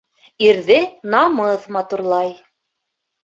Ирҙе намыҫ матурлай.